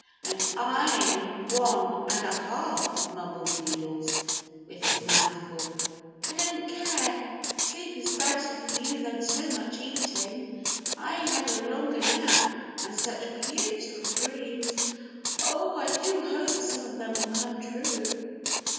"And I'm one and a half," mumbled Wheedles, with his mouth full. "I don't care. Sleep is better for you than so much eating. I had a longer nap, and such beautiful dreams! Oh, I do hope some of them will come true."